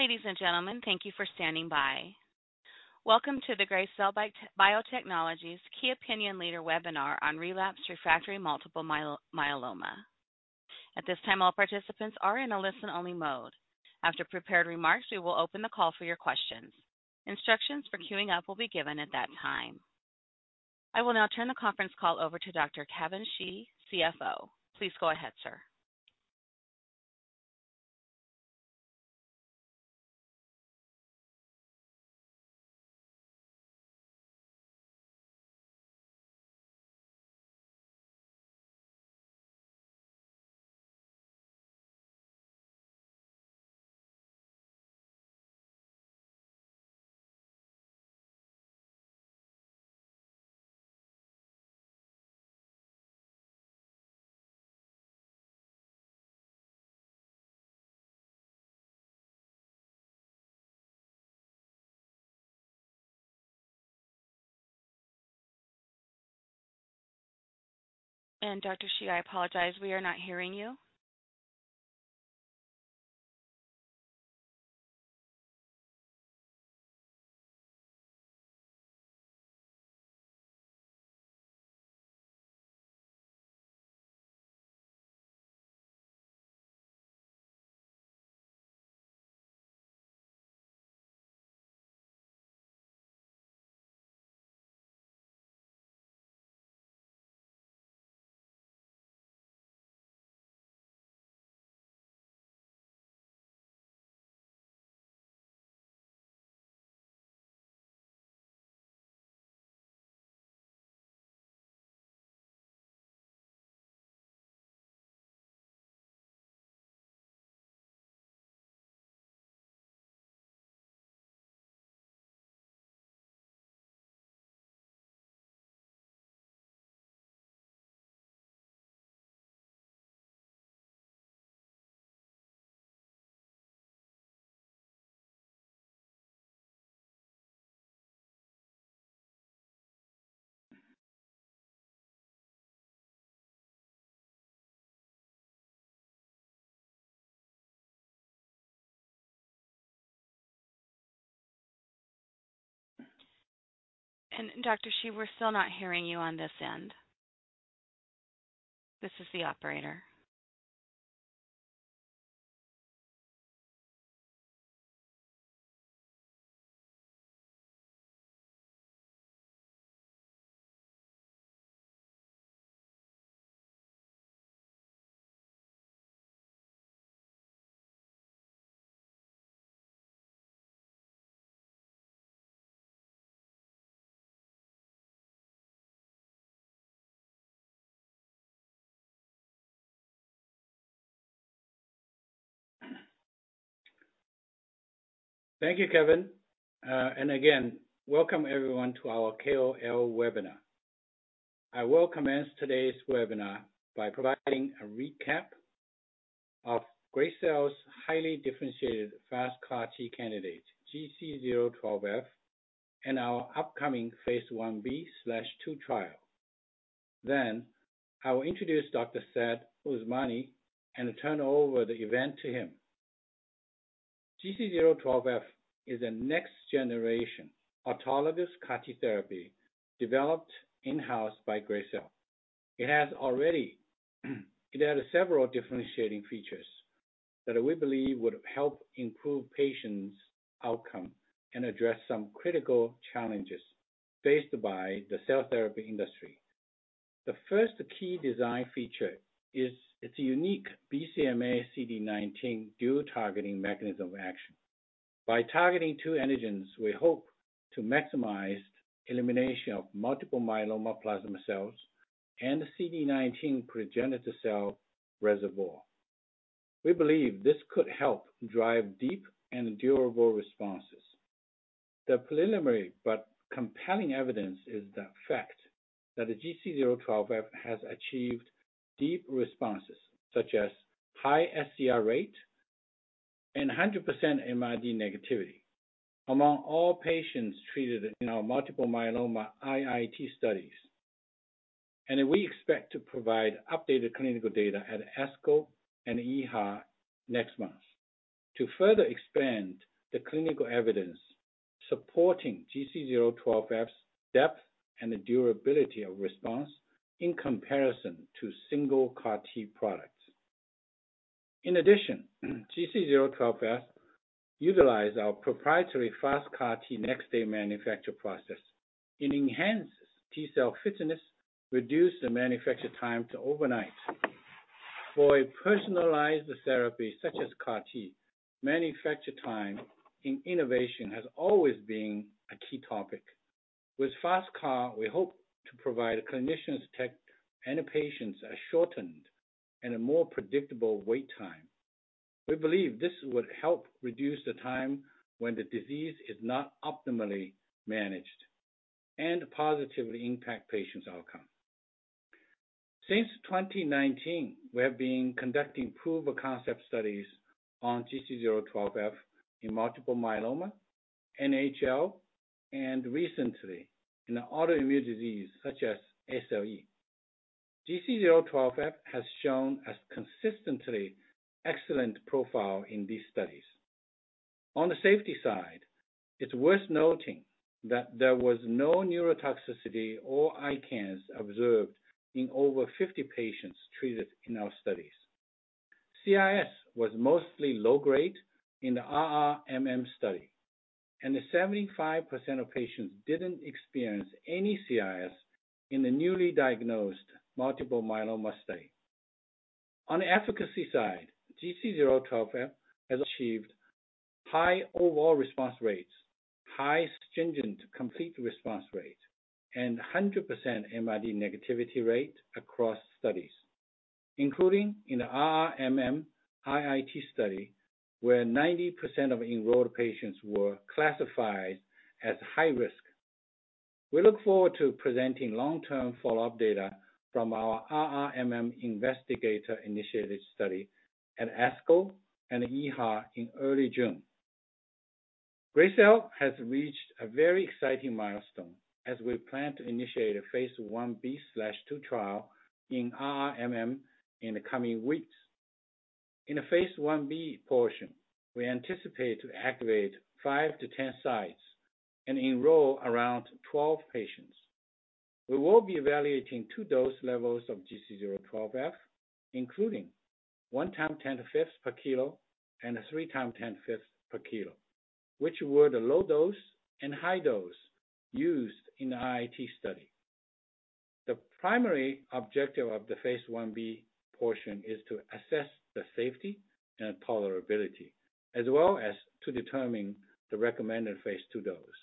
Ladies and gentlemen, thank you for standing by. Welcome to the Gracell Biotechnologies Key Opinion Leader Webinar on Relapsed Refractory Multiple Myeloma. At this time, all participants are in a listen-only mode. After prepared remarks, we will open the call for your questions. Instructions for queuing up will be given at that time. I will now turn the conference call over to Kevin Xie, CFO. Please go ahead, sir. Dr. Shih, I apologize, we are not hearing you. Dr. Shih, we're still not hearing you on this end. This is the operator. Thank you, Kevin. Again, welcome everyone to our KOL webinar. I will commence today's webinar by providing a recap of Gracell's highly differentiated FasTCAR-T candidate, GC012F, and our upcoming phase Ib/II trial. I will introduce Dr. Saad Usmani and turn over the event to him. GC012F is a next generation autologous CAR-T therapy developed in-house by Gracell. It has several differentiating features that we believe would help improve patients' outcome and address some critical challenges faced by the cell therapy industry. The first key design feature is its unique BCMA/CD19 dual targeting mechanism action. By targeting two antigens, we hope to maximize elimination of multiple myeloma plasma cells and the CD19 progenitor cell reservoir. We believe this could help drive deep and durable responses. The preliminary but compelling evidence is the fact that the GC012F has achieved deep responses such as high sCR rate and 100% MRD negativity among all patients treated in our multiple myeloma IIT studies. We expect to provide updated clinical data at ASCO and EHA next month to further expand the clinical evidence supporting GC012F's depth and the durability of response in comparison to single CAR T products. In addition, GC012F utilize our proprietary FasTCAR-T next-day manufacture process. It enhances T-cell fitness, reduce the manufacture time to overnight. For a personalized therapy such as CAR T, manufacture time in innovation has always been a key topic. With FasTCAR, we hope to provide clinicians tech and the patients a shortened and a more predictable wait time. We believe this would help reduce the time when the disease is not optimally managed and positively impact patients' outcome. Since 2019, we have been conducting proof-of-concept studies on GC012F in multiple myeloma, NHL, and recently in autoimmune disease such as SLE. GC012F has shown a consistently excellent profile in these studies. On the safety side, it's worth noting that there was no neurotoxicity or ICANS observed in over 50 patients treated in our studies. CRS was mostly low-grade in the RRMM study, and 75% of patients didn't experience any CRS in the newly diagnosed multiple myeloma state. On the efficacy side, GC012F has achieved high overall response rates, high stringent complete response rate, and 100% MRD negativity rate across studies, including in the RRMM-IIT study, where 90% of enrolled patients were classified as high risk. We look forward to presenting long-term follow-up data from our RRMM investigator-initiated study at ASCO and EHA in early June. Gracell has reached a very exciting milestone as we plan to initiate a phase Ib/II trial in RRMM in the coming weeks. In the phase Ib portion, we anticipate to activate 5-10 sites and enroll around 12 patients. We will be evaluating two dose levels of GC012F, including 1 x 10^5 per kilo and 3 x 10^5 per kilo, which were the low dose and high dose used in the IIT study. The primary objective of the phase Ib portion is to assess the safety and tolerability, as well as to determine the recommended phase II dose.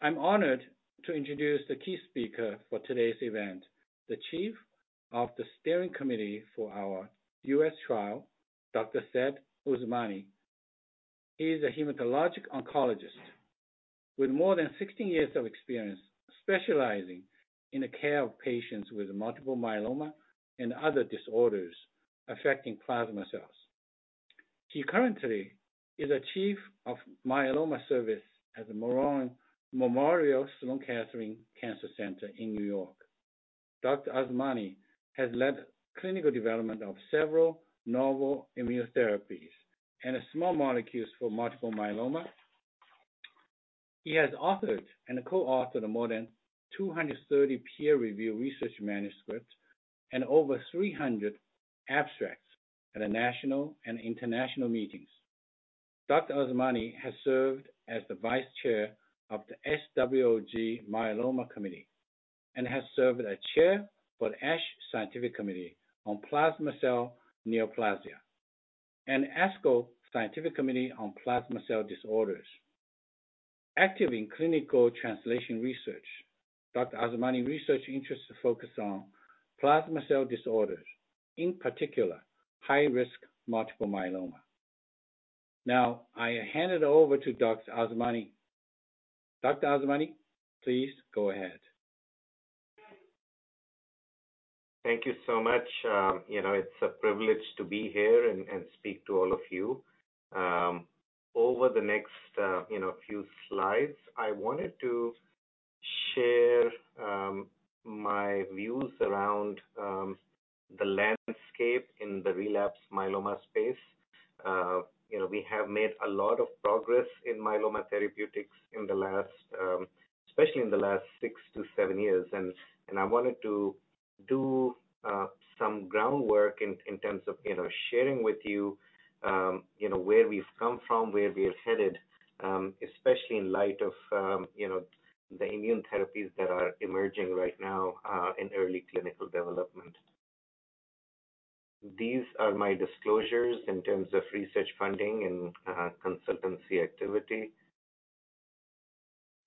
I'm honored to introduce the key speaker for today's event, the chief of the steering committee for our U.S. trial, Dr. Saad Usmani. He is a hematologic oncologist with more than 16 years of experience specializing in the care of patients with multiple myeloma and other disorders affecting plasma cells. He currently is a Chief of Myeloma Service at Memorial Sloan Kettering Cancer Center in New York. Dr. Usmani has led clinical development of several novel immunotherapies and small molecules for multiple myeloma. He has authored and co-authored more than 230 peer-reviewed research manuscripts and over 300 abstracts at national and international meetings. Dr. Usmani has served as the vice chair of the SWOG Myeloma Committee and has served as chair for the ASH Scientific Committee on Plasma Cell Neoplasia and ASCO Scientific Committee on Plasma Cell Disorders. Active in clinical translation research, Dr. Usmani's research interests focus on Plasma Cell Disorders, in particular high-risk multiple myeloma. I hand it over to Dr. Usmani. Usmani, please go ahead. Thank you so much. you know, it's a privilege to be here and speak to all of you. over the next, you know, few slides, I wanted to share my views around the landscape in the relapsed myeloma space. you know, we have made a lot of progress in myeloma therapeutics in the last, especially in the last 6 to 7 years. I wanted to do some groundwork in terms of you know, sharing with you know, where we've come from, where we're headed, especially in light of you know, the immune therapies that are emerging right now in early clinical development. These are my disclosures in terms of research funding and consultancy activity.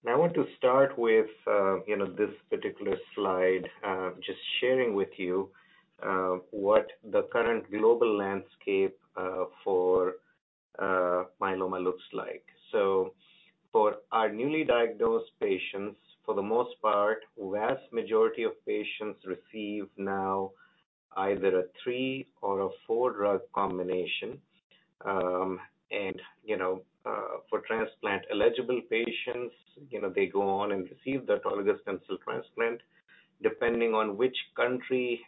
I want to start with, you know, this particular slide, just sharing with you what the current global landscape for myeloma looks like. For our newly diagnosed patients for the most part, vast majority of patients receive now either a three or a four-drug combination. For transplant eligible patients, you know, they go on and receive the autologous stem cell transplant, depending on which country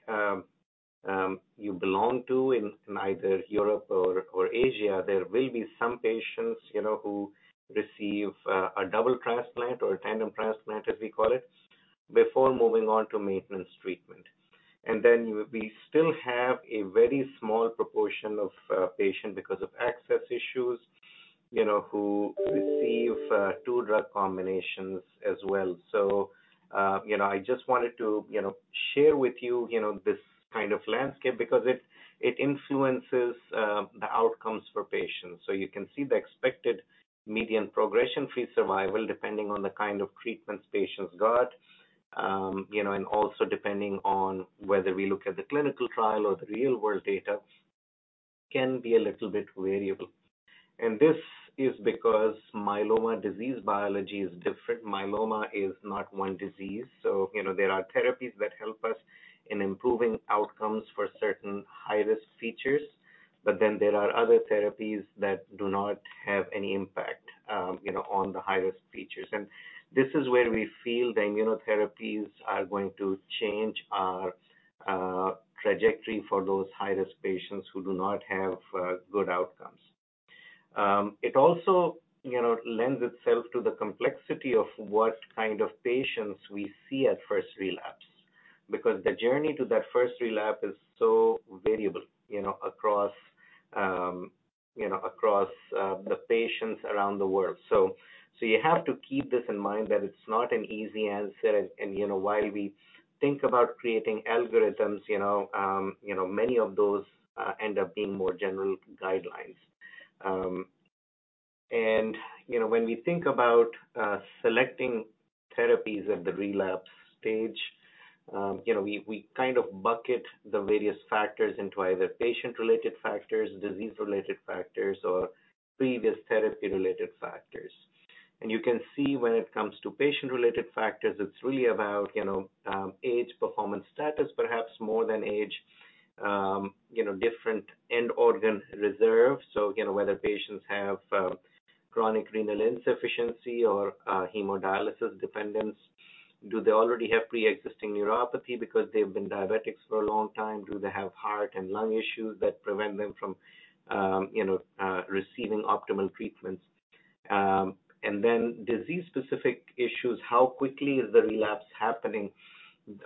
you belong to in either Europe or Asia. There will be some patients, you know, who receive a double transplant or a tandem transplant, as we call it, before moving on to maintenance treatment. We still have a very small proportion of patients because of access issues, you know, who receive two drug combinations as well. You know, I just wanted to, you know, share with you know, this kind of landscape because it influences the outcomes for patients. You can see the expected median progression-free survival depending on the kind of treatments patients got. You know, depending on whether we look at the clinical trial or the real world data can be a little bit variable. This is because myeloma disease biology is different. Myeloma is not one disease. You know, there are therapies that help us in improving outcomes for certain high-risk features. There are other therapies that do not have any impact, you know, on the high-risk features. This is where we feel the immunotherapies are going to change our trajectory for those high-risk patients who do not have good outcomes. It also, you know, lends itself to the complexity of what kind of patients we see at first relapse, because the journey to that first relapse is so variable, you know, across, you know, across the patients around the world. You have to keep this in mind that it's not an easy answer. You know, while we think about creating algorithms, you know, many of those end up being more general guidelines. You know, when we think about selecting therapies at the relapse stage, you know, we kind of bucket the various factors into either patient-related factors, disease-related factors, or previous therapy-related factors. You can see when it comes to patient-related factors, it's r\eally about, you know, age, performance status, perhaps more than age, you know, different end organ reserve. you know, whether patients have chronic renal insufficiency or hemodialysis dependence. Do they already have pre-existing neuropathy because they've been diabetics for a long time? Do they have heart and lung issues that prevent them from, you know, receiving optimal treatments? Disease-specific issues, how quickly is the relapse happening?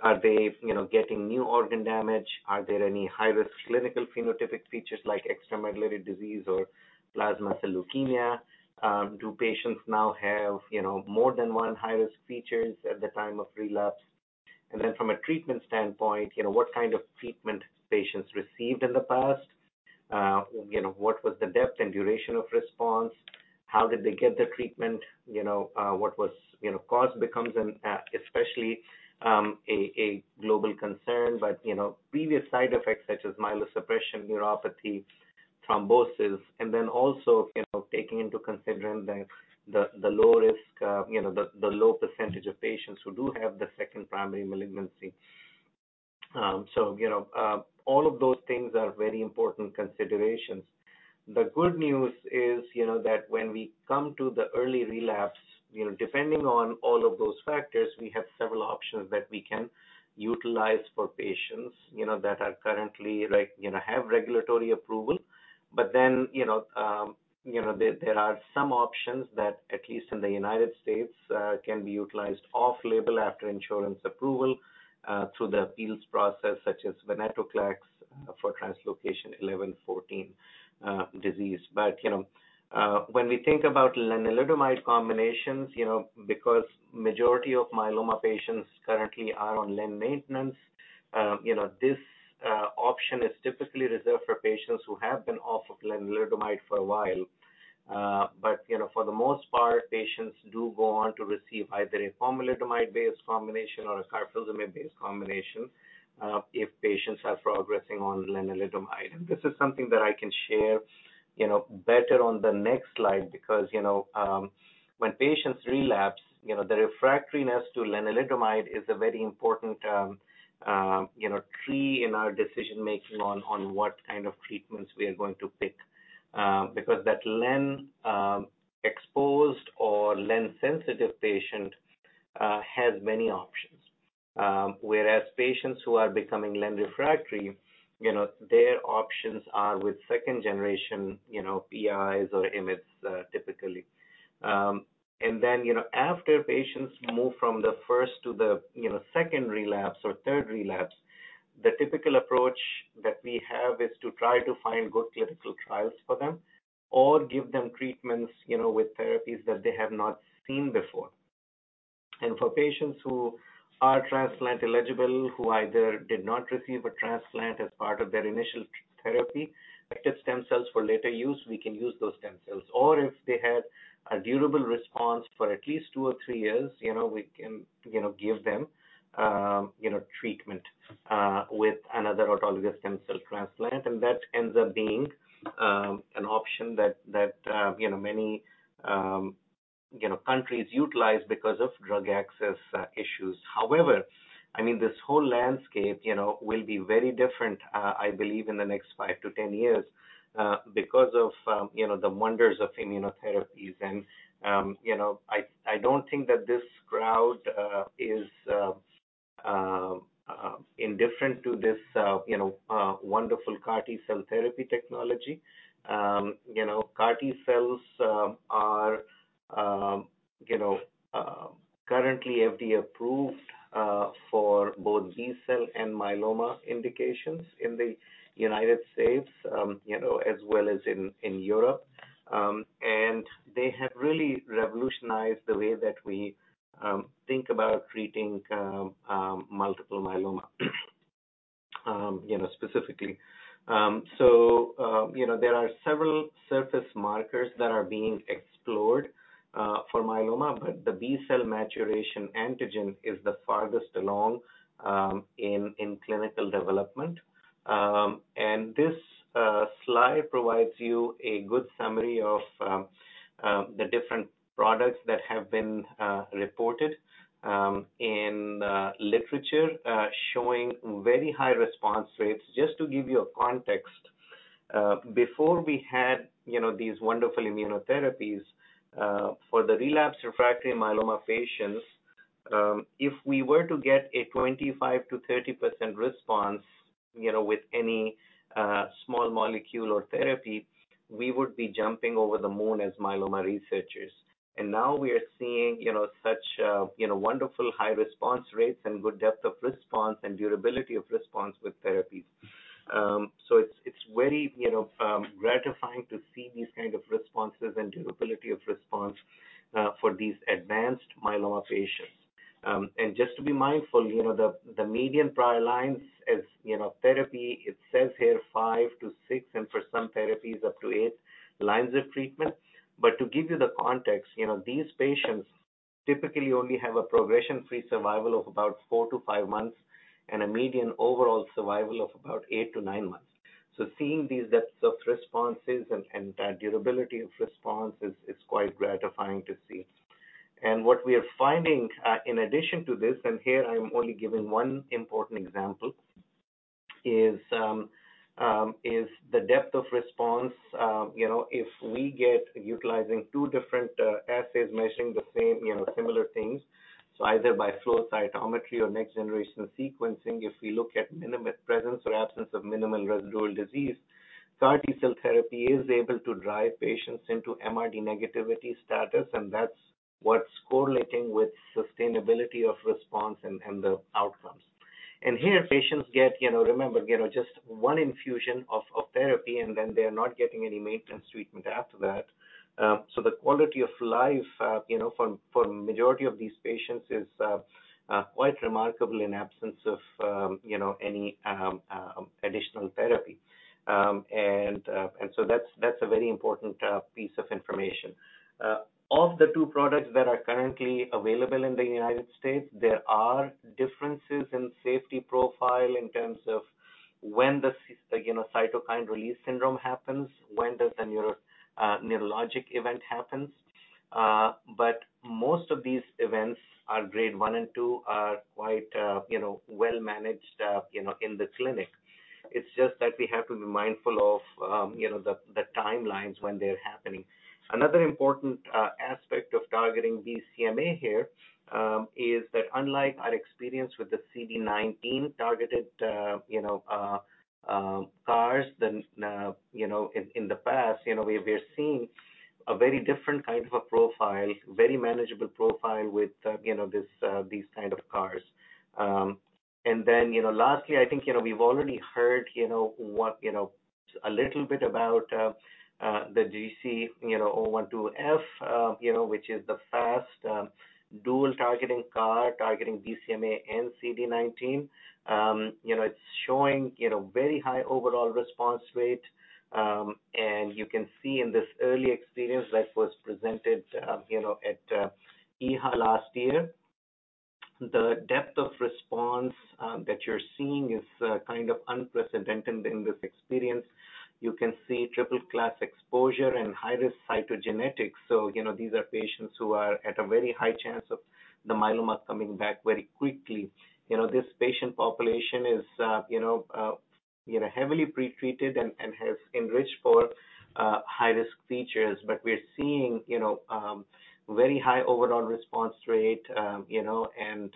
Are they, you know, getting new organ damage? Are there any high-risk clinical phenotypic features like extramedullary disease or plasma cell leukemia? Do patients now have, you know, more than one high-risk features at the time of relapse? From a treatment standpoint, you know, what kind of treatment patients received in the past? you know, what was the depth and duration of response? How did they get the treatment? You know, what was, you know, cause becomes an especially global concern, but, you know, previous side effects such as myelosuppression, neuropathy, thrombosis. Also, you know, taking into consideration the low risk, you know, the low percentage of patients who do have the second primary malignancy. You know, all of those things are very important considerations. The good news is, you know, that when we come to the early relapse, you know, depending on all of those factors, we have several options that we can utilize for patients, you know, that are currently like, you know, have regulatory approval. You know, there are some options that, at least in the United States, can be utilized off-label after insurance approval, through the appeals process, such as venetoclax for translocation 11, 14 disease. You know, when we think about lenalidomide combinations, you know, because majority of myeloma patients currently are on len maintenance, you know, this option is typically reserved for patients who have been off of lenalidomide for a while. You know, for the most part, patients do go on to receive either a pomalidomide-based combination or a carfilzomib-based combination, if patients are progressing on lenalidomide. This is something that I can share, you know, better on the next slide because, you know, when patients relapse, you know, the refractoriness to lenalidomide is a very important, you know, key in our decision-making on what kind of treatments we are going to pick. Because that len exposed or len-sensitive patient has many options. Whereas patients who are becoming len refractory, you know, their options are with second generation, you know, PIs or IMiDs typically. After patients move from the first to the, you know, second relapse or third relapse, the typical approach that we have is to try to find good clinical trials for them or give them treatments, you know, with therapies that they have not seen before. For patients who are transplant eligible, who either did not receive a transplant as part of their initial therapy, active stem cells for later use, we can use those stem cells. If they had a durable response for at least two or three years, you know, we can, you know, give them treatment with another autologous stem cell transplant. That ends up being an option that, you know, many countries utilize because of drug access issues. However, I mean, this whole landscape, you know, will be very different, I believe in the next 5 to 10 years, because of, you know, the wonders of immunotherapies. I don't think that this crowd is indifferent to this, you know, wonderful CAR T-cell therapy technology. you know, CAR T-cells are, you know, currently FDA-approved for both B-cell and myeloma indications in the United States, you know, as well as in Europe. They have really revolutionized the way that we think about treating multiple myeloma, you know, specifically. you know, there are several surface markers that are being explored for myeloma, but the B-cell maturation antigen is the farthest along in clinical development. This slide provides you a good summary of the different products that have been reported in the literature, showing very high response rates. Just to give you a context, before we had, you know, these wonderful immunotherapies, for the relapsed/refractory multiple myeloma patients, if we were to get a 25 to 30% response, you know, with any small molecule or therapy, we would be jumping over the moon as multiple myeloma researchers. Now we are seeing, you know, such, you know, wonderful high response rates and good depth of response and durability of response with therapies. So it's very, you know, gratifying to see these kind of responses and durability of response for these advanced multiple myeloma patients. Just to be mindful, you know, the median prior lines is, you know, therapy, it says here 5 to 6, and for some therapies up to eight lines of treatment. To give you the context, you know, these patients typically only have a progression-free survival of about 4 to 5 months and a median overall survival of about 8-9 months. Seeing these depths of responses and durability of response is quite gratifying to see. What we are finding, in addition to this, and here I'm only giving one important example, is the depth of response. You know, if we get utilizing two different assays measuring the same, you know, similar things, so either by flow cytometry or next-generation sequencing, if we look at minimum presence or absence of minimal residual disease, CAR T-cell therapy is able to drive patients into MRD negativity status, and that's what's correlating with sustainability of response and the outcomes. Here patients get, you know, remember, you know, just one infusion of therapy, and then they're not getting any maintenance treatment after that. The quality of life, you know, for majority of these patients is quite remarkable in absence of, you know, any additional therapy. That's a very important piece of information. Of the two products that are currently available in the United States, there are differences in safety profile in terms of when the, you know, Cytokine Release Syndrome happens, when does the neurologic event happens. Most of these events are grade one and two are quite, you know, well-managed, you know, in the clinic. It's just that we have to be mindful of, you know, the timelines when they're happening. Another important aspect of targeting BCMA here is that unlike our experience with the CD19 targeted, you know, CARs than, you know, in the past, you know, we're seeing a very different kind of a profile, very manageable profile with, you know, this, these kind of CARs. Then, you know, lastly, I think, you know, we've already heard, you know, what, you know, a little bit about the GC012F, you know, which is the first, dual targeting CAR targeting BCMA and CD19. It's showing, you know, very high overall response rate. You can see in this early experience that was presented, you know, at EHA last year, the depth of response that you're seeing is kind of unprecedented in this experience. You can see triple class exposure and high-risk cytogenetics. You know, these are patients who are at a very high chance of the myeloma coming back very quickly. You know, this patient population is, you know, heavily pre-treated and has enriched for high-risk features. We are seeing, you know, very high overall response rate, you know, and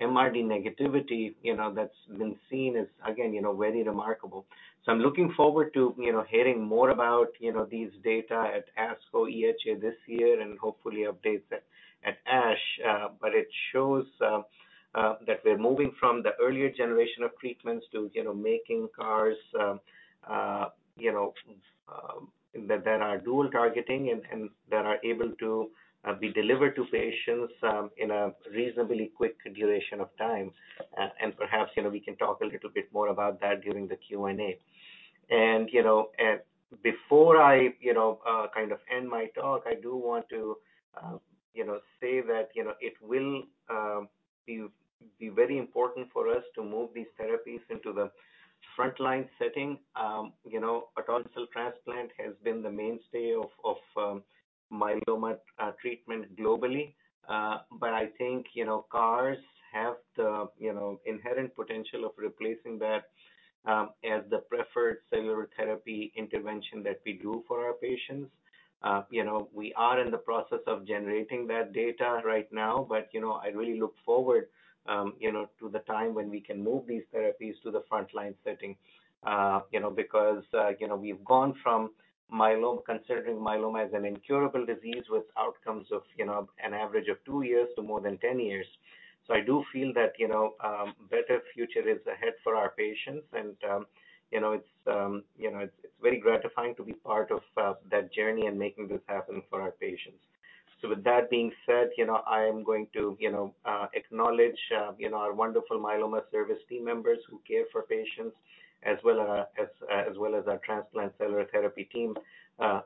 MRD negativity, you know, that's been seen as, again, you know, very remarkable. I'm looking forward to, you know, hearing more about, you know, these data at ASCO EHA this year and hopefully updates at ASH. It shows that we're moving from the earlier generation of treatments to, you know, making CARs, you know, that are dual targeting and that are able to be delivered to patients in a reasonably quick duration of time. Perhaps, you know, we can talk a little bit more about that during the Q&A. You know, before I, you know, kind of end my talk, I do want to, you know, say that, you know, it will be very important for us to move these therapies into the frontline setting. You know, autologous cell transplant has been the mainstay of, myeloma treatment globally. I think, you know, CARs have the, you know, inherent potential of replacing that as the preferred cellular therapy intervention that we do for our patients. You know, we are in the process of generating that data right now, you know, I really look forward, you know, to the time when we can move these therapies to the frontline setting. You know, we've gone from considering myeloma as an incurable disease with outcomes of, you know, an average of two years to more than 10 years. I do feel that, you know, better future is ahead for our patients. You know, it's, you know, it's very gratifying to be part of that journey and making this happen for our patients. With that being said, you know, I am going to, you know, acknowledge, you know, our wonderful myeloma service team members who care for patients as well, as well as our transplant cellular therapy team,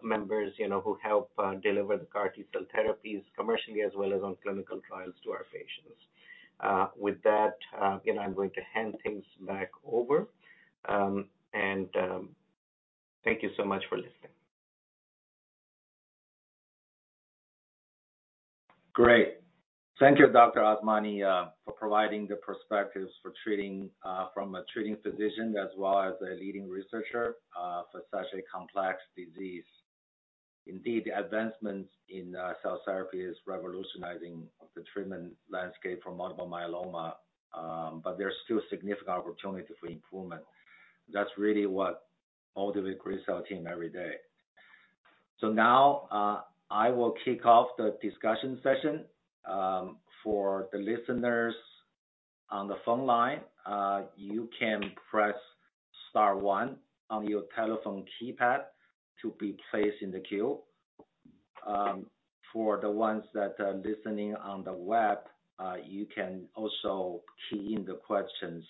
members, you know, who help, deliver the CAR T-cell therapies commercially as well as on clinical trials to our patients. With that, you know, I'm going to hand things back over. Thank you so much for listening. Thank you, Dr. Usmani, for providing the perspectives for treating, from a treating physician as well as a leading researcher, for such a complex disease. Indeed, advancements in cell therapy is revolutionizing the treatment landscape for multiple myeloma, but there's still significant opportunity for improvement. That's really what motivates our team every day. Now, I will kick off the discussion session. For the listeners on the phone line, you can press star one on your telephone keypad to be placed in the queue. For the ones that are listening on the web, you can also key in the questions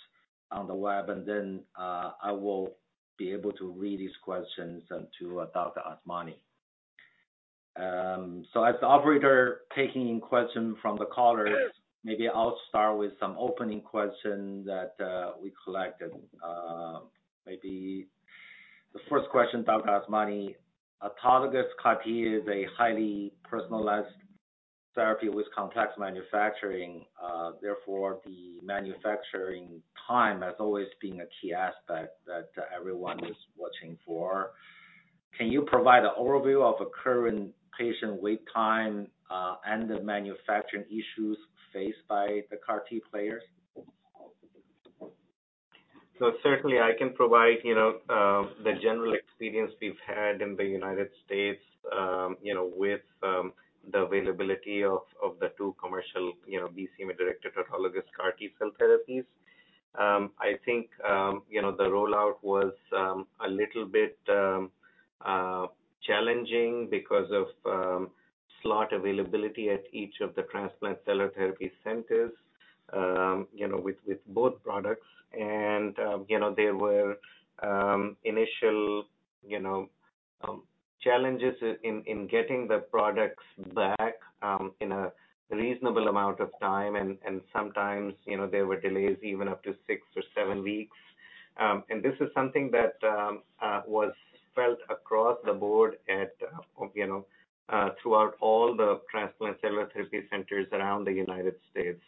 on the web, and then, I will be able to read these questions to Dr. Usmani. As the operator taking in question from the callers, maybe I'll start with some opening questions that we collected. Maybe the first question, Dr. Usmani, autologous CAR T is a highly personalized therapy with complex manufacturing, therefore, the manufacturing time has always been a key aspect that everyone is watching for. Can you provide an overview of a current patient wait time, and the manufacturing issues faced by the CAR T players? Certainly I can provide, you know, the general experience we've had in the United States, you know, with the availability of the two commercial, you know, BCMA-directed autologous CAR T-cell therapies. I think, you know, the rollout was a little bit challenging because of slot availability at each of the transplant cell therapy centers, you know, with both products. There were, you know, initial, you know, challenges in getting the products back in a reasonable amount of time. Sometimes, you know, there were delays even up to six or seven weeks. This is something that was felt across the board at, you know, throughout all the transplant cell therapy centers around the United States.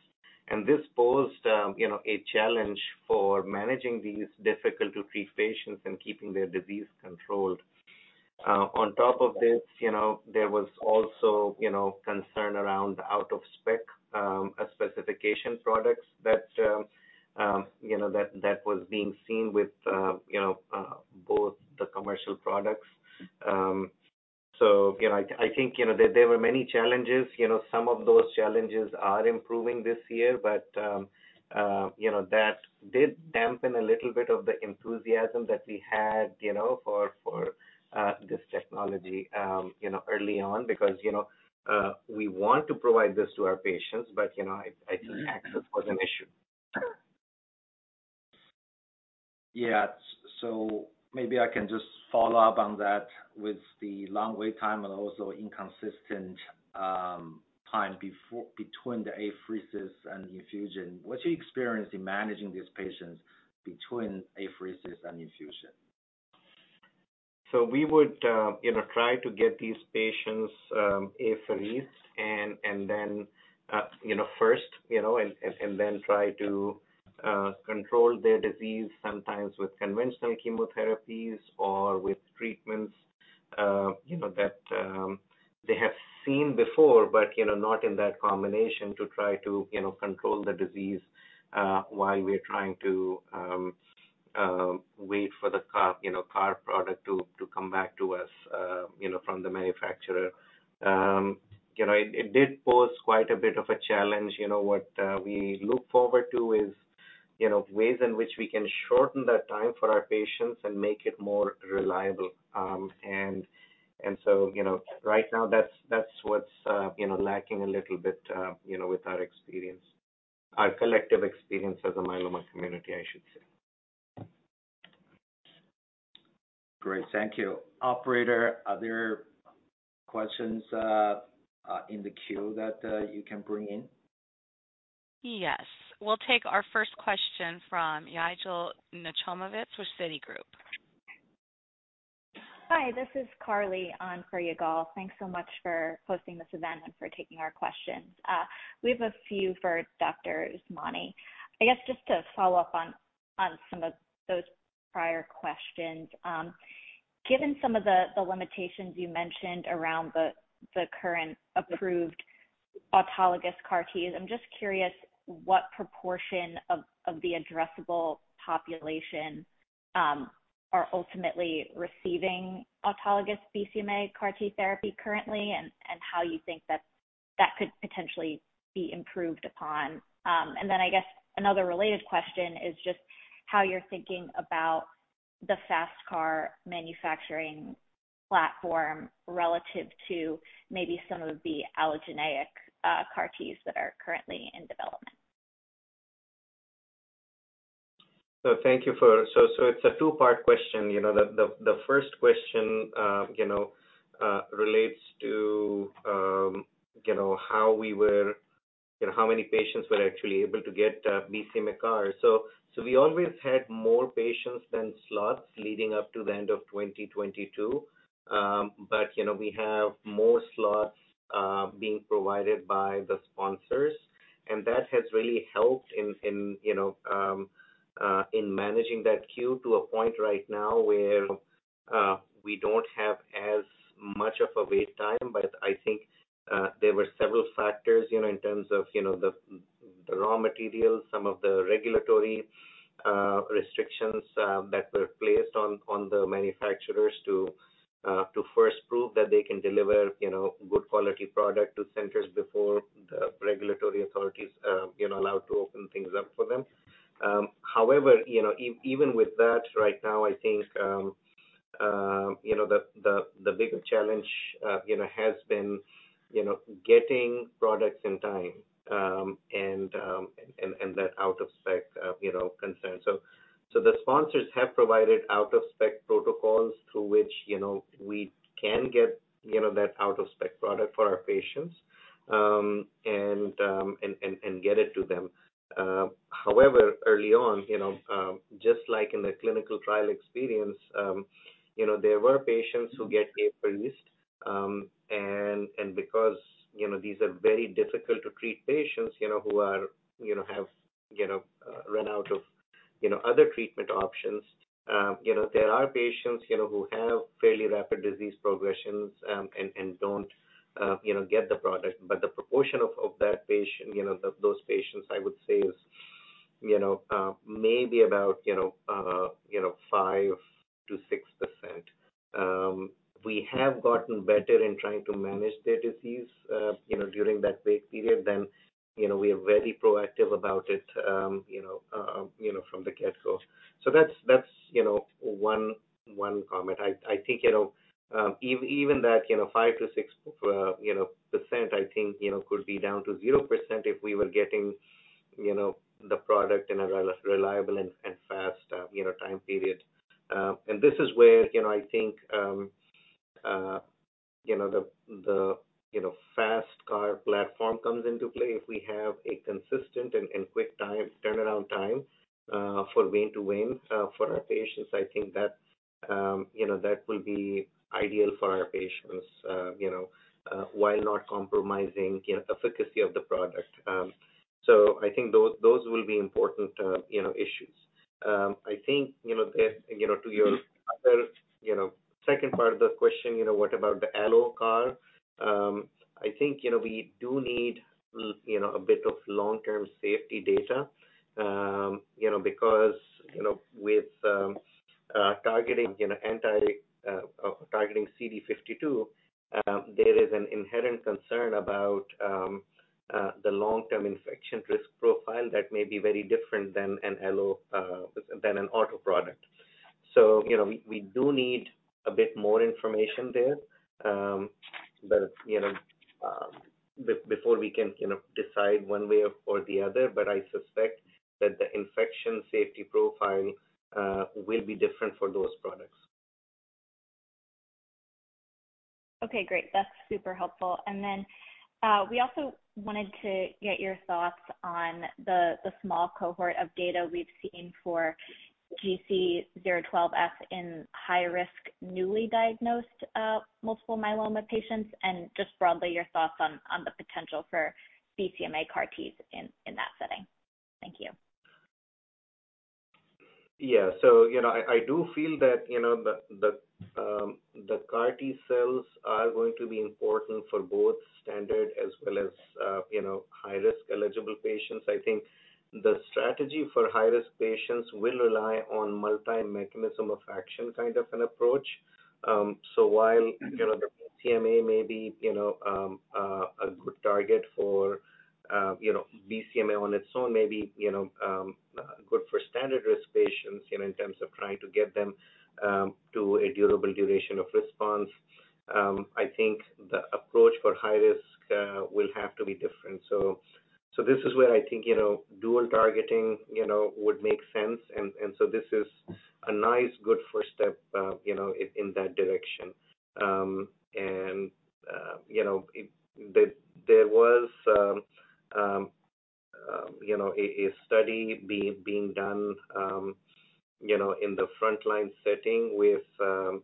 This posed, you know, a challenge for managing these difficult to treat patients and keeping their disease controlled. On top of this, you know, there was also, you know, concern around out of specification products that, you know, was being seen with, you know, both the commercial products. You know, I think, you know, there were many challenges. Some of those challenges are improving this year, but, you know, that did dampen a little bit of the enthusiasm that we had, you know, for this technology, you know, early on because, you know, we want to provide this to our patients, but, you know, I think access was an issue. Yeah. Maybe I can just follow up on that with the long wait time and also inconsistent, time before, between the apheresis and infusion. What's your experience in managing these patients between apheresis and infusion? We would, you know, try to get these patients apheresed and then try to control their disease sometimes with conventional chemotherapies or with treatments, you know, that they have seen before but, you know, not in that combination to try to, you know, control the disease while we're trying to wait for the CAR product to come back to us, you know, from the manufacturer. You know, it did pose quite a bit of a challenge. You know what we look forward to is, you know, ways in which we can shorten that time for our patients and make it more reliable. You know, right now that's what's, you know, lacking a little bit, you know, with our experience. Our collective experience as a myeloma community, I should say. Great. Thank you. Operator, are there questions in the queue that you can bring in? Yes. We'll take our first question from Yigal Nochomovitz with Citigroup. Hi, this is Carly on for Yigal. Thanks so much for hosting this event and for taking our questions. We have a few for Dr. Usmani. I guess just to follow up on some of those prior questions. Given some of the limitations you mentioned around the current approved autologous CAR-T, I'm just curious what proportion of the addressable population are ultimately receiving autologous BCMA CAR-T therapy currently and how you think that could potentially be improved upon. Then I guess another related question is just how you're thinking about the FasTCAR manufacturing platform relative to maybe some of the allogeneic CAR-T that are currently in development. Thank you for... It's a two-part question. You know, the, the first question, you know, relates to, you know, how we were, you know, how many patients were actually able to get BCMA CAR. We always had more patients than slots leading up to the end of 2022. You know, we have more slots being provided by the sponsors, and that has really helped in, you know, in managing that queue to a point right now where we don't have as much of a wait time. I think there were several factors, in terms of the raw materials, some of the regulatory restrictions that were placed on the manufacturers to first prove that they can deliver good quality product to centers before the regulatory authorities allowed to open things up for them. However, even with that right now, I think the bigger challenge has been getting products in time, and that out of spec concern. The sponsors have provided out of spec protocols through which we can get that out of spec product for our patients, and get it to them. However, early on, you know, just like in the clinical trial experience, you know, there were patients who get deprioritized. Because, you know, these are very difficult to treat patients, you know, who are, you know, have, you know, run out of, you know, other treatment options. You know, there are patients, you know, who have fairly rapid disease progressions, and don't, you know, get the product. The proportion of that patient, you know, those patients, I would say is, you know, maybe about, you know, 5 to 6%. We have gotten better in trying to manage their disease, you know, during that wait period than, you know, we are very proactive about it, you know, from the get-go. That's, that's, you know, one comment. I think, you know, even that, you know, 5 to 6% I think, you know, could be down to 0% if we were getting, you know, the product in a reliable and fast, you know, time period. This is where, you know, I think, you know, the FasTCAR platform comes into play. If we have a consistent and quick time, turnaround time, for vein to vein, for our patients, I think that, you know, that will be ideal for our patients, you know, while not compromising, you know, efficacy of the product. I think those will be important, you know, issues. I think, you know, that, you know, to your other, you know, second part of the question, you know, what about the AlloCAR? I think, you know, we do need, you know, a bit of long-term safety data, you know, because, you know, with targeting, you know, targeting CD52, there is an inherent concern about the long-term infection risk profile that may be very different than an Allo than an auto product. You know, we do need a bit more information there, but, you know, before we can, you know, decide one way or the other. I suspect that the infection safety profile will be different for those products. Okay, great. That's super helpful. We also wanted to get your thoughts on the small cohort of data we've seen for GC012F in high-risk, newly diagnosed multiple myeloma patients, and just broadly your thoughts on the potential for BCMA CAR Ts in that setting. Thank you. I do feel that, you know, the CAR T-cells are going to be important for both standard as well as, you know, high risk eligible patients. I think the strategy for high-risk patients will rely on multi-mechanism of action kind of an approach. While, you know, the BCMA may be, you know, a good target for, you know, BCMA on its own may be, you know, good for standard risk patients, you know, in terms of trying to get them to a durable duration of response. I think the approach for high risk will have to be different. This is where I think, you know, dual targeting, you know, would make sense. This is a nice, good first step, you know, in that direction. You know, there was, you know, a study being done, you know, in the frontline setting with,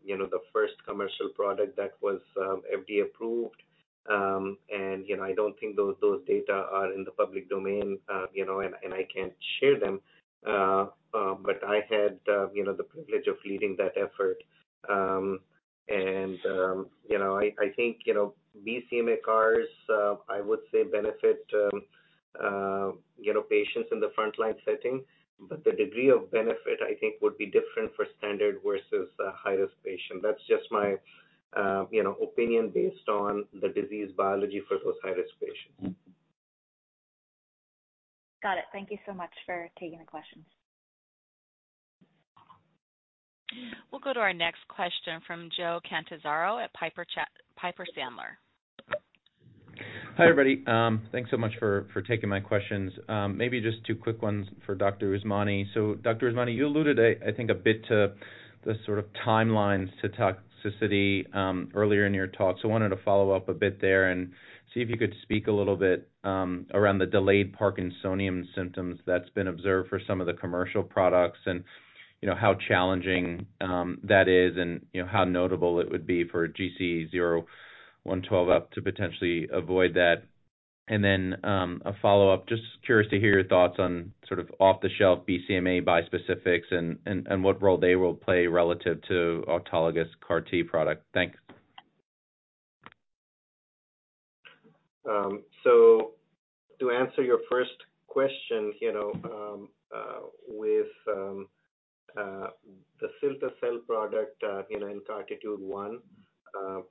you know, the first commercial product that was FDA approved. You know, I don't think those data are in the public domain, you know, and I can't share them. I had, you know, the privilege of leading that effort. You know, I think, you know, BCMA CARs, I would say benefit, you know, patients in the frontline setting, but the degree of benefit, I think would be different for standard versus a high-risk patient. That's just my, you know, opinion based on the disease biology for those high-risk patients. Got it. Thank you so much for taking the questions. We'll go to our next question from Joe Catanzaro at Piper Sandler. Hi, everybody. Thanks so much for taking my questions. Maybe just two quick ones for Dr. Usmani. Dr. Usmani, you alluded a, I think a bit to the sort of timelines to toxicity earlier in your talk. I wanted to follow up a bit there and see if you could speak a little bit around the delayed parkinsonian symptoms that's been observed for some of the commercial products and, you know, how challenging that is and, you know, how notable it would be for GC012F up to potentially avoid that. A follow-up. Just curious to hear your thoughts on sort of off-the-shelf BCMA bispecifics and what role they will play relative to autologous CAR T product. Thanks. To answer your first question, you know, with the cilta-cel product, you know, in CARTITUDE-1,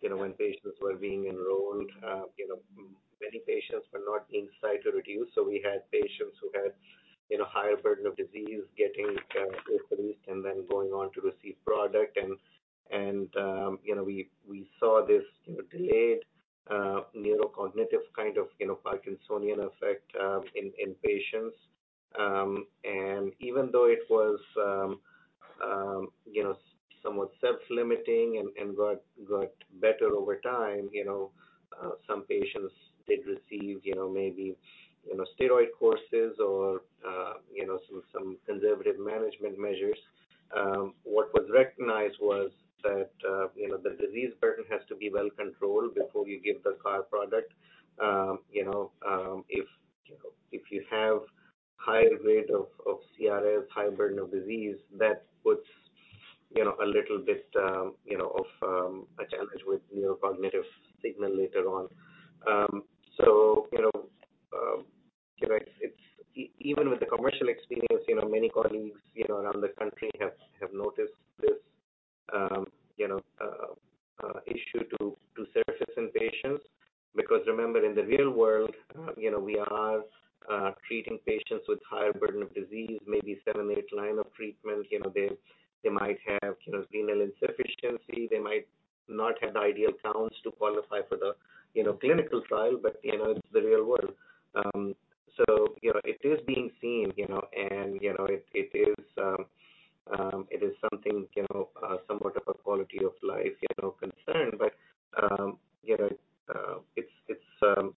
you know, when patients were being enrolled, you know, many patients were not in a position to reduce. We had patients who had, you know, higher burden of disease getting pre-produced and then going on to receive product. You know, we saw this, you know, delayed neurocognitive kind of, you know, Parkinsonian effect in patients. Even though it was, you know, somewhat self-limiting and got better over time, you know, some patients did receive, you know, maybe, you know, steroid courses or, you know, some conservative management measures. What was recognized was that, you know, the disease burden has to be well controlled before you give the CAR product. You know, if you have higher grade of CRS, high burden of disease, that puts, you know, a little bit, you know, of a challenge with neurocognitive signal later on. You know, even with the commercial experience, you know, many colleagues, you know, around the country have noticed this, you know, issue to surface in patients. Because remember, in the real world, you know, we are treating patients with higher burden of disease, maybe seven, eight line of treatment. You know, they might have, you know, renal insufficiency. They might not have the ideal counts to qualify for the, you know, clinical trial. You know, it's the real world. You know, it is being seen, you know, and, you know, it is something, you know, somewhat of a quality of life, you know, concern. You know, it's,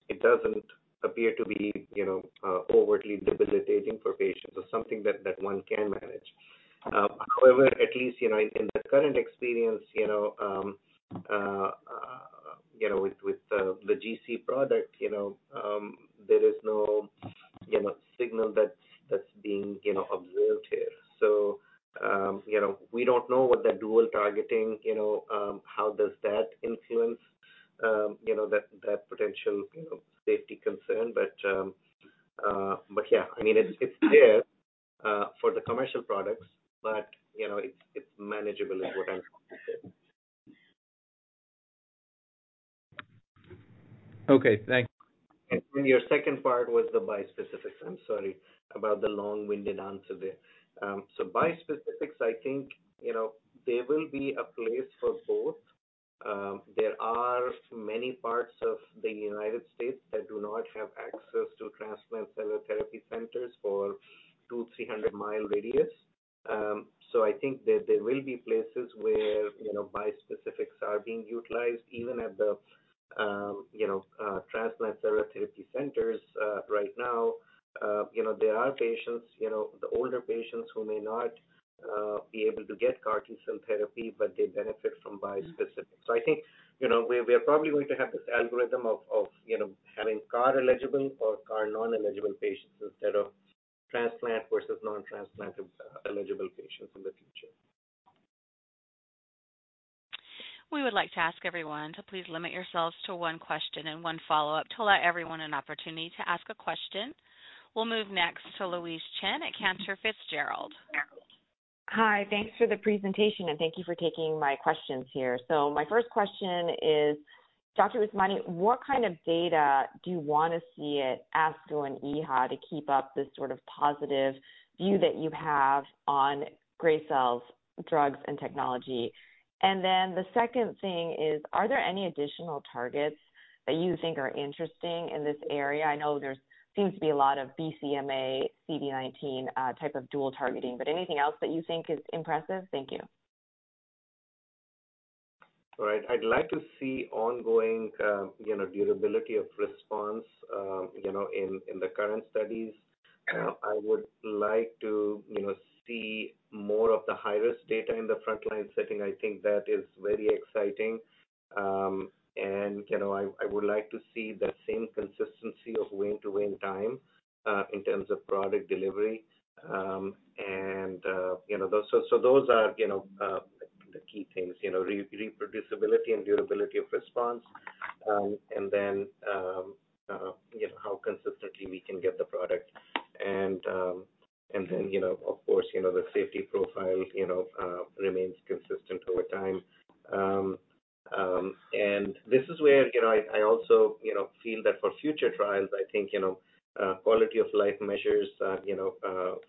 it doesn't appear to be, you know, overtly debilitating for patients or something that one can manage. At least, you know, in the current experience, you know, with the GC product, you know, there is no, you know, signal that's being, you know, observed here. You know, we don't know what that dual targeting, you know, how does that influence, you know, that potential, you know, safety concern. Yeah, I mean, it's there for the commercial products, but, you know, it's manageable is what I'm trying to say. Okay, thanks. Your second part was the bispecifics. I'm sorry about the long-winded answer there. Bispecifics, I think, you know, there will be a place for both. There are many parts of the United States that do not have access to transplant cell or therapy centers for two, 300-mile radius. I think that there will be places where, you know, bispecifics are being utilized even at the, you know, transplant cell or therapy centers. Right now, you know, there are patients, you know, the older patients who may not be able to get CAR T-cell therapy, but they benefit from bispecifics. I think, you know, we are probably going to have this algorithm of, you know, having CAR-eligible or CAR non-eligible patients instead of transplant versus non-transplant eligible patients in the future. We would like to ask everyone to please limit yourselves to one question and one follow-up to allow everyone an opportunity to ask a question. We'll move next to Louise Chen at Cantor Fitzgerald. Hi. Thanks for the presentation, and thank you for taking my questions here. My first question is, Dr. Usmani, what kind of data do you wanna see at ASCO and EHA to keep up this sort of positive view that you have on Gracell's drugs, and technology? The second thing is, are there any additional targets that you think are interesting in this area? I know there seems to be a lot of BCMA, CD19, type of dual targeting. Anything else that you think is impressive? Thank you. Right. I'd like to see ongoing, you know, durability of response, you know, in the current studies. I would like to, you know, see more of the high-risk data in the frontline setting. I think that is very exciting. I would like to see that same consistency of win-to-win time, in terms of product delivery. So those are, you know, the key things. You know, reproducibility and durability of response, and then, you know, how consistently we can get the product. Then, you know, of course, you know, the safety profile, you know, remains consistent over time. This is where, you know, I also, you know, feel that for future trials, I think, you know, quality of life measures, you know,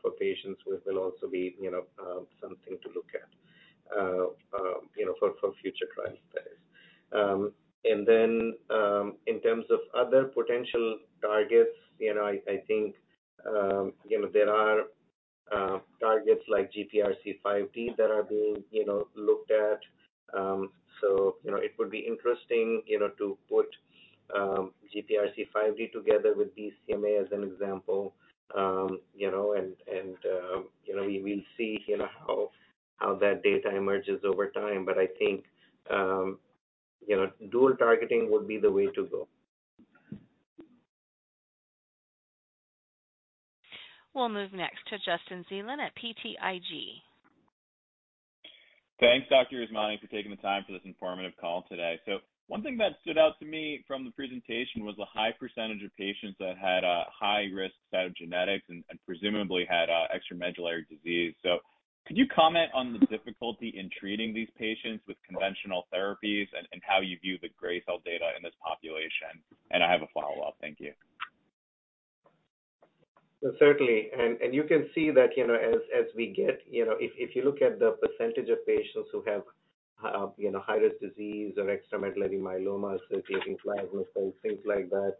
for patients will also be, you know, something to look at, you know, for future trials studies. In terms of other potential targets, you know, I think, you know, there are targets like GPRC5D that are being, you know, looked at. You know, it would be interesting, you know, to put GPRC5D together with BCMA as an example. You know, we will see, you know, how that data emerges over time. But I think, you know, dual targeting would be the way to go. We'll move next to Justin Zelin at BTIG. Thanks, Dr. Usmani, for taking the time for this informative call today. One thing that stood out to me from the presentation was the high percentage of patients that had a high risk set of genetics and presumably had extramedullary disease. Could you comment on the difficulty in treating these patients with conventional therapies and how you view the Gracell data in this population? I have a follow-up. Thank you. Well, certainly. You can see that, you know, as we get. You know, if you look at the percentage of patients who have, you know, high-risk disease or extramedullary myeloma, circulating plasma cells, things like that,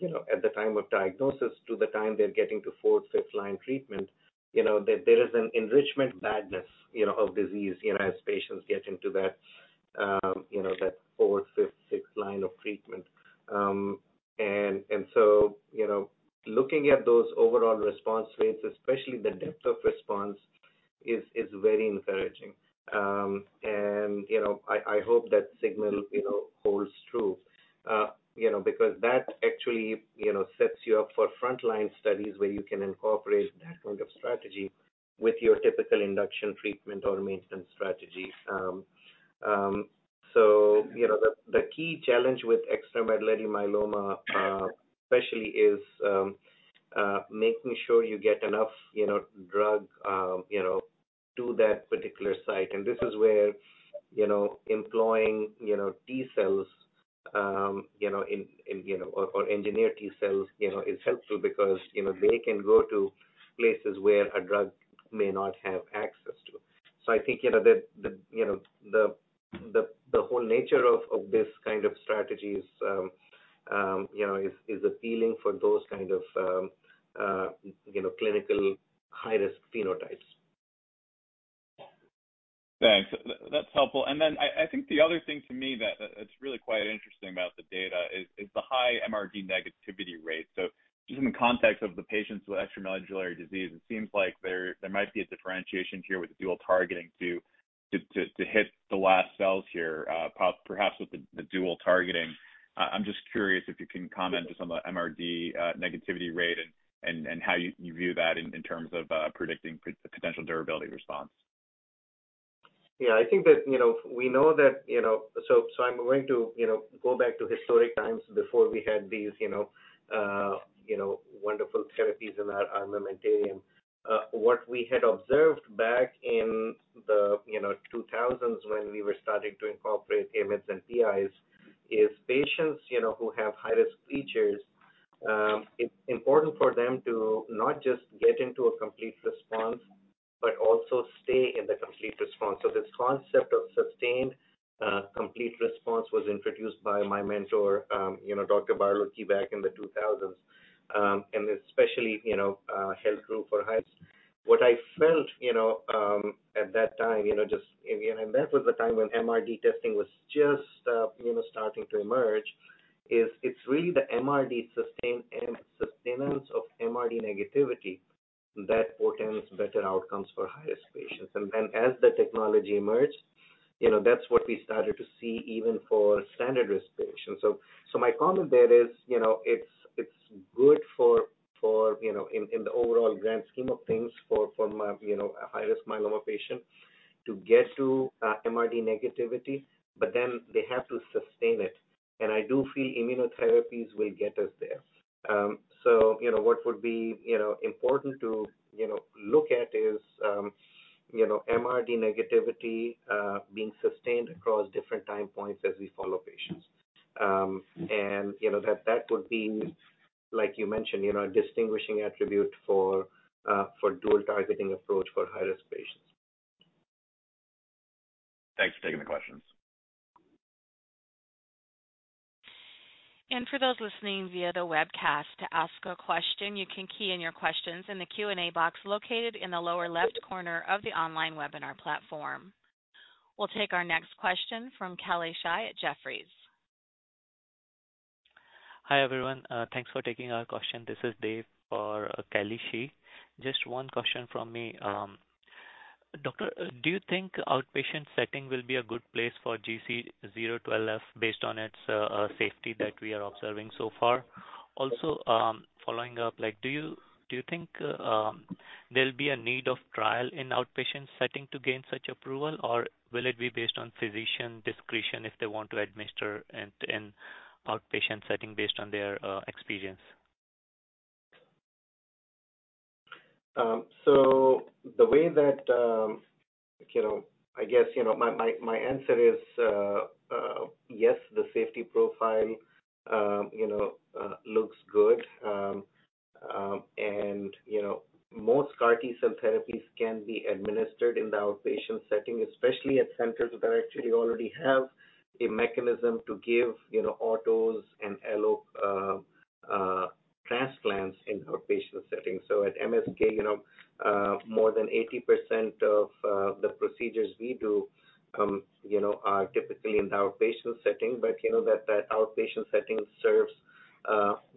you know, at the time of diagnosis to the time they're getting to fourth, fifth line treatment, you know, there is an enrichment badness, you know, of disease, you know, as patients get into that, you know, that fourth, fifth, sixth line of treatment. You know, looking at those overall response rates, especially the depth of response, is very encouraging. You know, I hope that signal, you know, holds true. you know, because that actually, you know, sets you up for frontline studies where you can incorporate that kind of strategy with your typical induction treatment or maintenance strategy. The key challenge with extramedullary myeloma, especially is making sure you get enough, you know, drug, you know, to that particular site. And this is where, you know, employing, you know, T cells, you know, or engineered T cells, you know, is helpful because, you know, they can go to places where a drug may not have access to. I think, you know, the whole nature of this kind of strategy is, you know, is appealing for those kind of, you know, clinical high-risk phenotypes. Thanks. That's helpful. I think the other thing to me that it's really quite interesting about the data is the high MRD negativity rate. Just in the context of the patients with extramedullary disease, it seems like there might be a differentiation here with the dual targeting to hit the last cells here, perhaps with the dual targeting. I'm just curious if you can comment just on the MRD negativity rate and how you view that in terms of predicting potential durability response? Yeah. I think that, you know, we know that, you know. I'm going to, you know, go back to historic times before we had these, you know, wonderful therapies in our armamentarium. What we had observed back in the, you know, 2000s when we were starting to incorporate IMiDs and PIs is patients, you know, who have high-risk features, it's important for them to not just get into a complete response but also stay in the complete response. This concept of sustained complete response was introduced by my mentor, you know, Dr. Barlogie back in the 2000s, and especially, you know, held true for high-risk. What I felt, you know, at that time, you know. That was the time when MRD testing was just, you know, starting to emerge, it's really the MRD sustain and sustenance of MRD negativity that portends better outcomes for high-risk patients. As the technology emerged, you know, that's what we started to see even for standard-risk patients. My comment there is, you know, it's good for, you know, in the overall grand scheme of things for a high-risk myeloma patient to get to MRD negativity, they have to sustain it. I do feel immunotherapies will get us there. You know, what would be, you know, important to, you know, look at is, you know, MRD negativity being sustained across different time points as we follow patients. You know, that that would be, like you mentioned, you know, a distinguishing attribute for dual targeting approach for high-risk patients. Thanks for taking the questions. For those listening via the webcast, to ask a question, you can key in your questions in the Q&A box located in the lower left corner of the online webinar platform. We'll take our next question from Kelly Shi at Jefferies. Hi, everyone. Thanks for taking our question. This is Dave for Kelly Shi. Just one question from me. Doctor, do you think outpatient setting will be a good place for GC012F based on its safety that we are observing so far? Following up, like, do you think there'll be a need of trial in outpatient setting to gain such approval, or will it be based on physician discretion if they want to administer in outpatient setting based on their experience? The way that, you know... I guess, you know, my answer is, yes, the safety profile, you know, looks good. You know, most CAR T-cell therapies can be administered in the outpatient setting, especially at centers that actually already have a mechanism to give, you know, autos and allo transplants in outpatient settings. At MSK, you know, more than 80% of the procedures we do, you know, are typically in the outpatient setting. You know, that outpatient setting serves,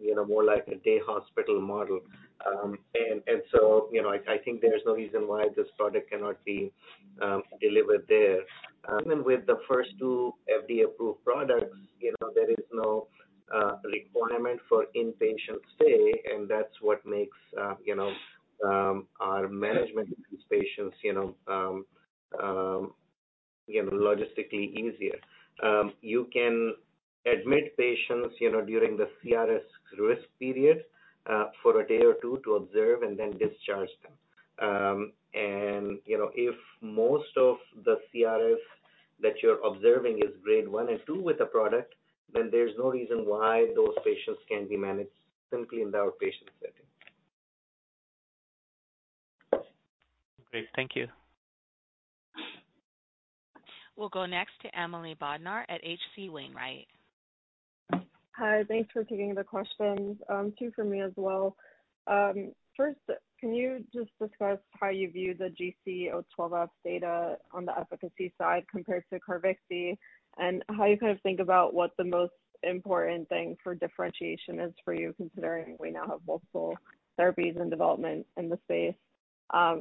you know, more like a day hospital model. You know, I think there's no reason why this product cannot be delivered there. With the first two FDA-approved products, you know, there is no requirement for inpatient stay, and that's what makes, you know, our management of these patients, you know, logistically easier. You can admit patients, you know, during the CRS risk period, for a day or two to observe and then discharge them. You know, if most of the CRS that you're observing is grade one and two with the product, then there's no reason why those patients can be managed simply in the outpatient setting. Great. Thank you. We'll go next to Emily Bodnar at H.C. Wainwright. Hi. Thanks for taking the questions. two for me as well. First, can you just discuss how you view the GC012F data on the efficacy side compared to CARVYKTI, and how you kind of think about what the most important thing for differentiation is for you, considering we now have multiple therapies in development in the space?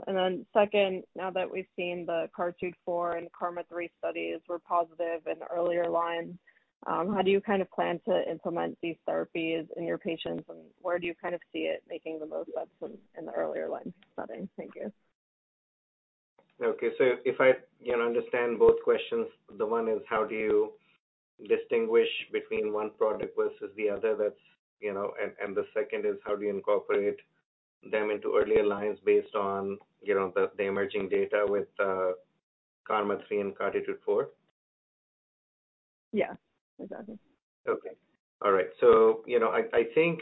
Then second, now that we've seen the CARTITUDE-4 and KarMMa-3 studies were positive in earlier lines, how do you kind of plan to implement these therapies in your patients, and where do you kind of see it making the most sense in the earlier line setting? Thank you. Okay. If I, you know, understand both questions, the one is how do you distinguish between one product versus the other? That's, you know. The second is how do you incorporate them into earlier lines based on, you know, the emerging data with KarMMa-3 and CARTITUDE-4? Yeah. Exactly. Okay. All right. You know, I think,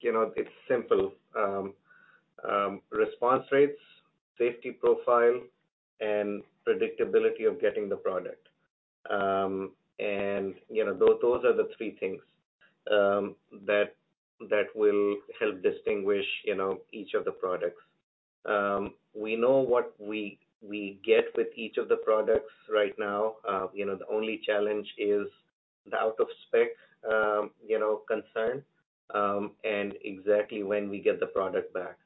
you know, it's simple: response rates, safety profile, and predictability of getting the product. You know, those are the three things that will help distinguish, you know, each of the products. We know what we get with each of the products right now. You know, the only challenge is the out of specification, you know, concern, and exactly when we get the product back.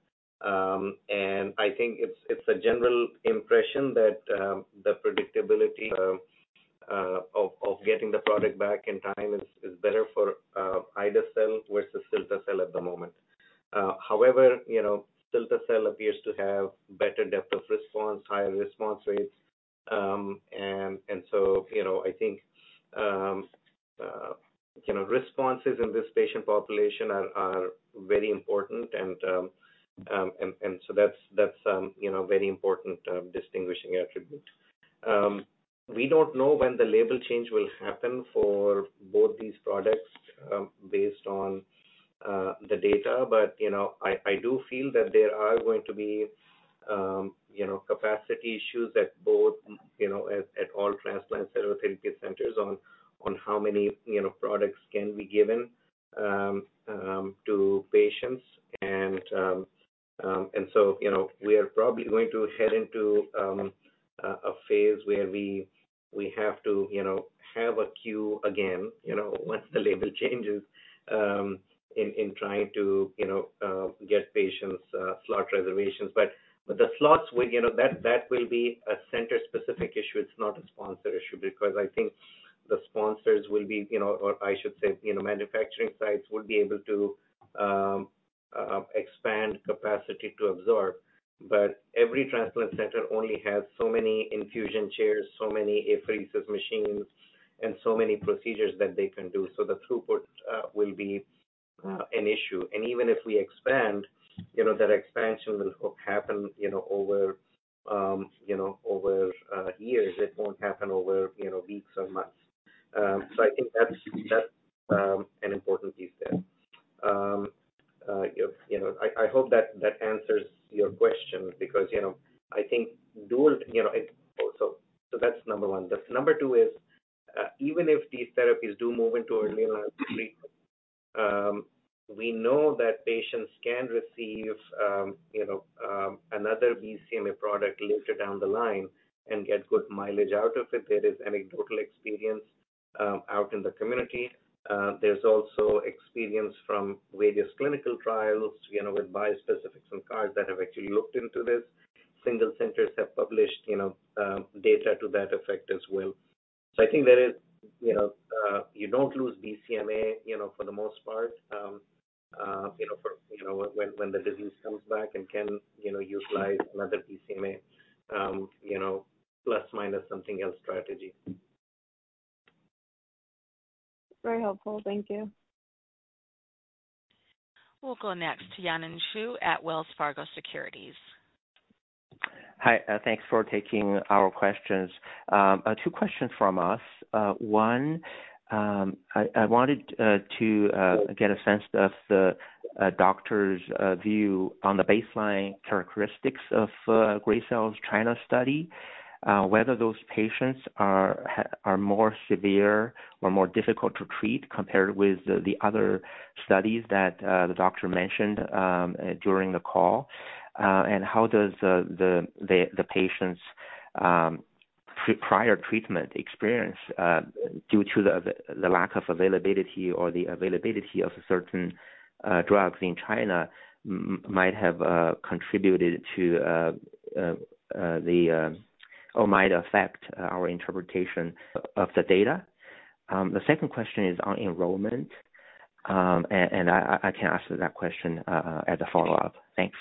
I think it's a general impression that the predictability of getting the product back in time is better for ide-cel versus cilta-cel at the moment. However, you know, cilta-cel appears to have better depth of response, higher response rates. You know, I think, you know, responses in this patient population are very important and so that's, you know, very important distinguishing attribute. We don't know when the label change will happen for both these products, based on the data. You know, I do feel that there are going to be, you know, capacity issues at both, you know, at all transplant cell therapy centers on how many, you know, products can be given to patients. You know, we are probably going to head into a phase where we have to, you know, have a queue again, you know, once the label changes, in trying to, you know, get patients' slot reservations. The slots will, you know, that will be a center-specific issue. It's not a sponsor issue. I think the sponsors will be, you know, or I should say, you know, manufacturing sites will be able to expand capacity to absorb. Every transplant center only has so many infusion chairs, so many apheresis machines, and so many procedures that they can do. The throughput will be an issue. Even if we expand, you know, that expansion will happen, you know, over, you know, over years. It won't happen over, you know, weeks or months. I think that's an important piece there. You know, I hope that answers your question because, you know, I think dual, you know. That's number one. The number two is, even if these therapies do move into earlier line treatment, we know that patients can receive, you know, another BCMA product later down the line and get good mileage out of it. There is anecdotal experience out in the community. There's also experience from various clinical trials, you know, with bispecifics and CAR T that have actually looked into this. Single centers have published, you know, data to that effect as well. I think there is, you know, you don't lose BCMA, you know, for the most part, you know, for, you know, when the disease comes back and can, you know, utilize another BCMA, you know, plus minus something else strategy. Very helpful. Thank you. We'll go next to Yanan Zhu at Wells Fargo Securities. Hi. Thanks for taking our questions. Two questions from us. One, I wanted to get a sense of the doctor's view on the baseline characteristics of Gracell's China study. Whether those patients are more severe or more difficult to treat compared with the other studies that the doctor mentioned during the call. How does the patients' prior treatment experience, due to the lack of availability or the availability of certain drugs in China, might have contributed to or might affect our interpretation of the data. The second question is on enrollment, and I can answer that question as a follow-up. Thanks.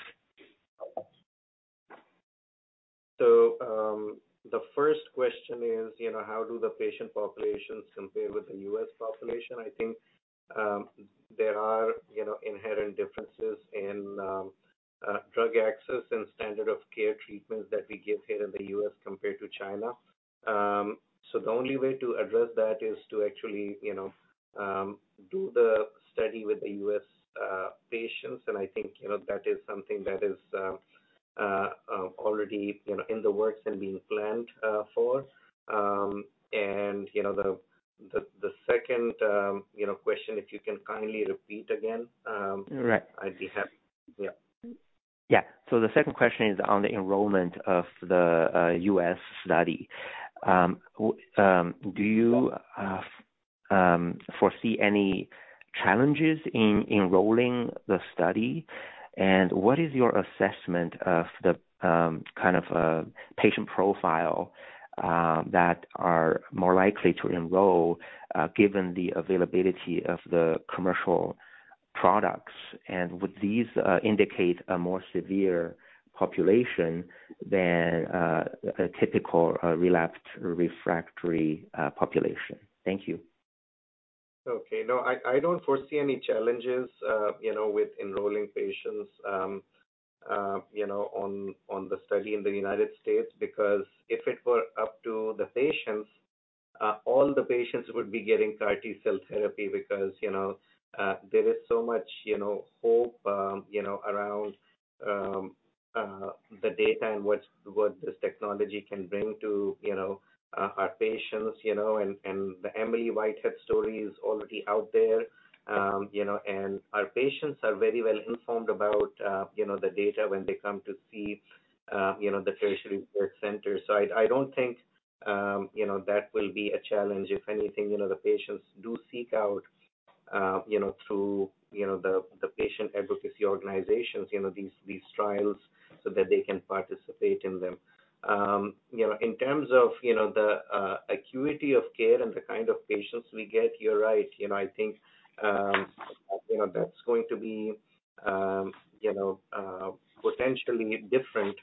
The first question is, you know, how do the patient populations compare with the U.S. population? I think, there are, you know, inherent differences in drug access and standard of care treatments that we give here in the U.S. compared to China. The only way to address that is to actually, you know, do the study with the U.S. patients. I think, you know, that is something that is already, you know, in the works and being planned for. You know, the second, you know, question, if you can kindly repeat again, Right. I'd be happy. Yeah. The second question is on the enrollment of the U.S. study. Do you foresee any challenges in enrolling the study? What is your assessment of the kind of patient profile that are more likely to enroll given the availability of the commercial products? Would these indicate a more severe population than a typical relapsed or refractory population? Thank you. Okay. No, I don't foresee any challenges, you know, with enrolling patients, you know, on the study in the United States. If it were up to the patients, all the patients would be getting CAR T cell therapy because, you know, there is so much, you know, hope, you know, around, the data and what's, what this technology can bring to, you know, our patients, you know. The Emily Whitehead story is already out there, you know. Our patients are very well informed about, you know, the data when they come to see, you know, the tertiary care center. I don't think, you know, that will be a challenge. If anything, you know, the patients do seek out, you know, through, you know, the patient advocacy organizations, you know, these trials so that they can participate in them. You know, in terms of, you know, the acuity of care and the kind of patients we get, you're right. You know, I think, you know, that's going to be, you know, potentially different,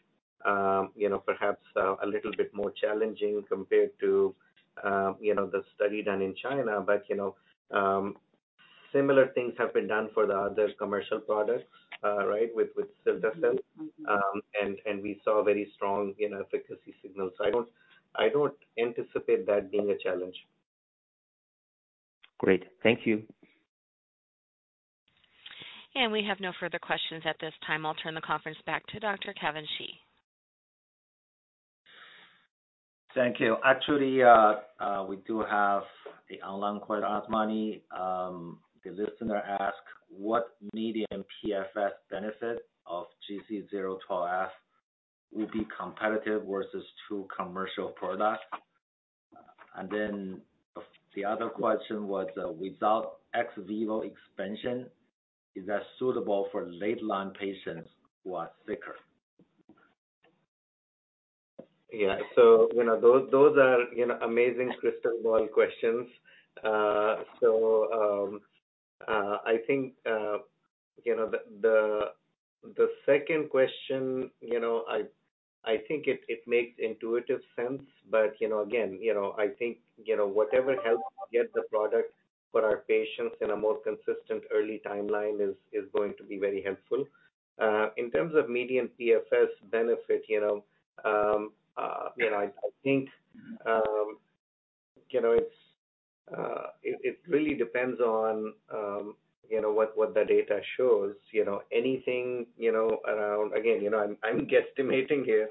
you know, perhaps a little bit more challenging compared to, you know, the study done in China. You know, similar things have been done for the other commercial products, right, with cilta-cel, and we saw very strong, you know, efficacy signals. I don't, I don't anticipate that being a challenge. Great. Thank you. We have no further questions at this time. I'll turn the conference back to Dr. Kevin Shi. Thank you. Actually, we do have an online question, Usmani. The listener ask, "What median PFS benefit of GC012F will be competitive versus two commercial products?" The other question was, "Without ex vivo expansion, is that suitable for late line patients who are sicker? Yeah. You know, those are, you know, amazing crystal ball questions. I think, you know, the second question, you know, I think it makes intuitive sense. You know, again, you know, I think, you know, whatever helps get the product for our patients in a more consistent early timeline is going to be very helpful. In terms of median PFS benefit, you know, I think, you know, it's, it really depends on, you know, what the data shows. You know, anything, you know, around... Again, you know, I'm guesstimating here.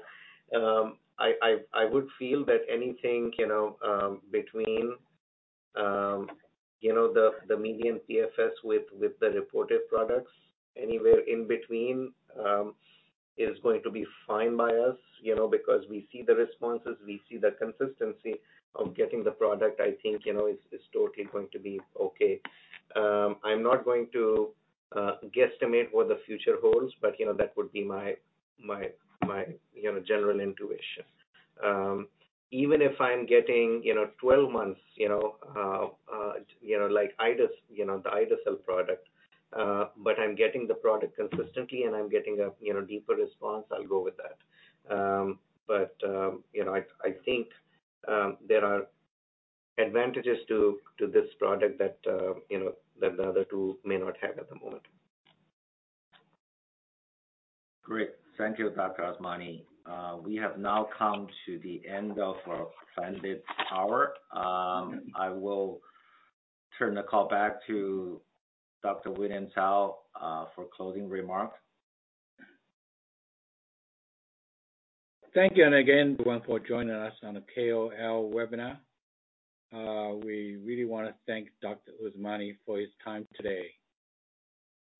I would feel that anything, you know, between, you know, the median PFS with the reported products, anywhere in between, is going to be fine by us. You know, because we see the responses, we see the consistency of getting the product, I think, you know, is totally going to be okay. I'm not going to guesstimate what the future holds, but, you know, that would be my, you know, general intuition. Even if I'm getting, you know, 12 months, you know, like the ide-cel product, but I'm getting the product consistently and I'm getting a, you know, deeper response, I'll go with that. You know, I think, there are advantages to this product that, you know, that the other two may not have at the moment. Great. Thank you, Dr. Usmani. We have now come to the end of our allotted hour. I will turn the call back to Dr. William Cao for closing remarks. Thank you and again, everyone, for joining us on the KOL webinar. We really wanna thank Dr. Usmani for his time today.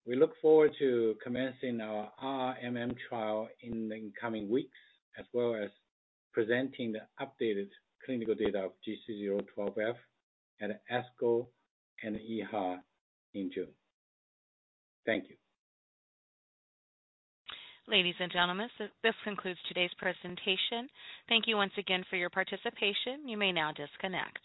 We look forward to commencing our RRMM trial in the coming weeks, as well as presenting the updated clinical data of GC012F at ASCO and EHA in June. Thank you. Ladies and gentlemen, this concludes today's presentation. Thank you once again for your participation. You may now disconnect.